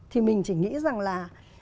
thì mình chỉ nghĩ rằng là